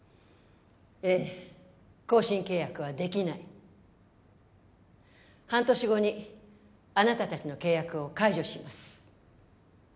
ええ更新契約はできない半年後にあなたたちの契約を解除します